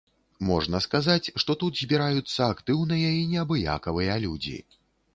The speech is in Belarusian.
Можна сказаць, што тут збіраюцца актыўныя і неабыякавыя людзі.